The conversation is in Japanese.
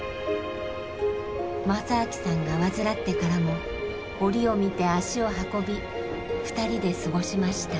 正明さんが患ってからも折を見て足を運び二人で過ごしました。